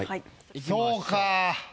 そうか。